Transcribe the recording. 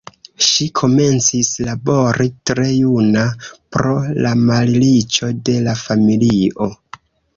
Ŝi komencis labori tre juna, pro la malriĉo de la familio.